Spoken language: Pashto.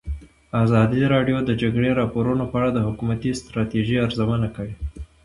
ازادي راډیو د د جګړې راپورونه په اړه د حکومتي ستراتیژۍ ارزونه کړې.